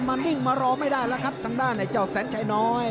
นิ่งมารอไม่ได้แล้วครับทางด้านไอ้เจ้าแสนชัยน้อย